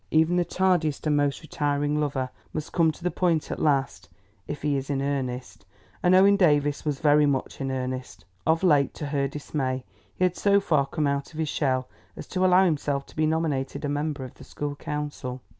Even the tardiest and most retiring lover must come to the point at last, if he is in earnest, and Owen Davies was very much in earnest. Of late, to her dismay, he had so far come out of his shell as to allow himself to be nominated a member of the school council.